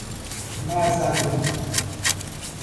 Marzagão